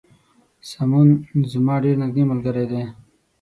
سمون زما ډیر نږدې ملګری دی